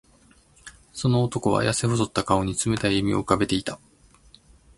その男は、やせ細った顔に冷たい笑みを浮かべていた。